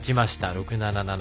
６−７、７ー